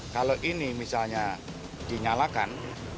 kalau ini misalnya dinyalakan